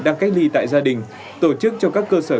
đang cách ly tại gia đình tổ chức cho các cơ sở